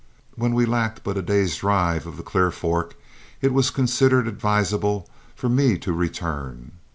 When we lacked but a day's drive of the Clear Fork it was considered advisable for me to return.